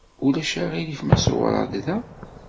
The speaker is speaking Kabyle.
Ulac aɣilif ma ṣewwreɣ da?